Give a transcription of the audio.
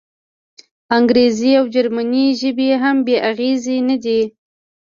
انګریزي او جرمني ژبې هم بې اغېزې نه دي.